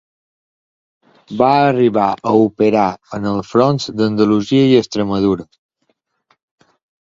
Va arribar a operar en els fronts d'Andalusia i Extremadura.